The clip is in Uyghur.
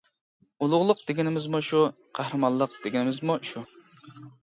ئۇلۇغلۇق دېگىنىمىزمۇ شۇ، قەھرىمانلىق دېگىنىمىزمۇ شۇ!